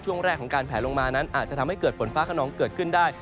ช่วงแรกของการแผลลงมานั้นอาจจะทำให้เกิดฝนฟ้าขนองเกิดขึ้นได้